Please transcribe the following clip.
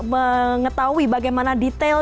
mengetahui bagaimana detail